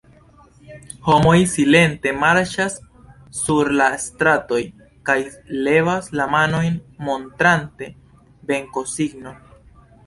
Homoj silente marŝas sur la stratoj kaj levas la manojn montrante venkosignon.